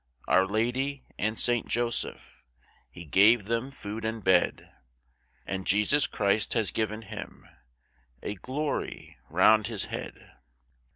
Our Lady and Saint Joseph, He gave them food and bed, And Jesus Christ has given him A glory round his head.